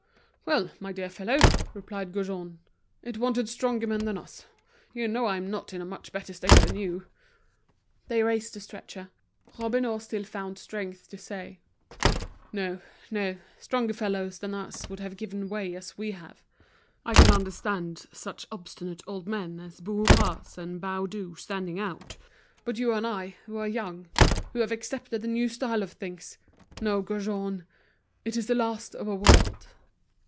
"Well, my dear fellow," replied Gaujean, "it wanted stronger men than us. You know I'm not in a much better state than you." They raised the stretcher; Robineau still found strength to say: "No, no, stronger fellows than us would have given way as we have. I can understand such obstinate old men as Bourras and Baudu standing out, but you and I, who are young, who had accepted the new style of things! No, Gaujean, it's the last of a world."